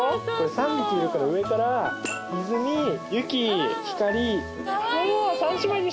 ３匹いるから上から泉雪星。